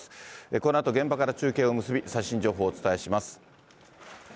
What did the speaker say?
このあと現場から中継を結び、最新情報をお伝えします。